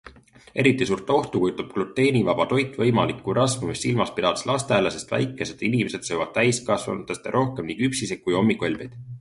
Eriti suurt ohtu kujutab gluteenivaba toit võimalikku rasvumist silmas pidades lastele, sest väikesed inimesed söövad täiskasvanutest rohkem nii küpsiseid kui hommikuhelbeid.